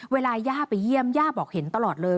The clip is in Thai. ย่าไปเยี่ยมย่าบอกเห็นตลอดเลย